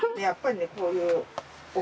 やっぱりねこういう。